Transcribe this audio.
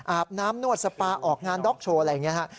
อาบน้ำนวดสปาออกงานด๊อกโชว์อะไรอย่างนี้ฮะ